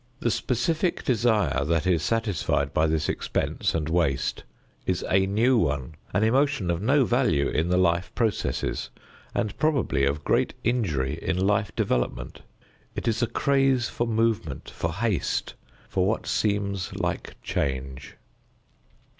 The specific desire that is satisfied by this expense and waste is a new one, an emotion of no value in the life processes and probably of great injury in life development. It is a craze for movement, for haste, for what seems like change.